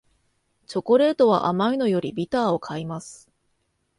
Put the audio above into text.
チョコレートは甘いのよりビターを買います